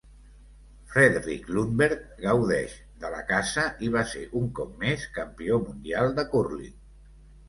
Fredrik Lundberg gaudeix de la caça i va ser un cop més campió mundial de cúrling.